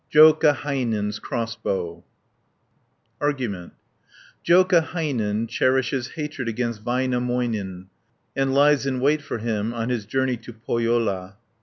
JOUKAHAINEN'S CROSSBOW Argument Joukahainen cherishes hatred against Väinämöinen and lies in wait for him on his journey to Pohjola (1 78).